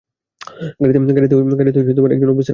গাড়িতে একজন অফিসার আছেন।